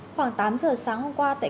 khoảng tám h sáng hôm nay